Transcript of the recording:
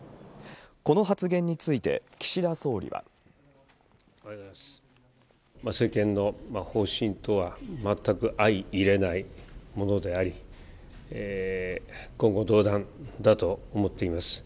この発言について、岸田総理は。政権の方針とは全く相容れないものであり、言語道断だと思っています。